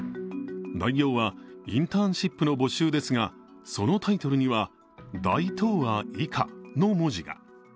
内容はインターンシップの募集ですが、そのタイトルには「大東亜以下」の文字が。